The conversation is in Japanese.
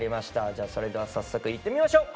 じゃあそれでは早速いってみましょう！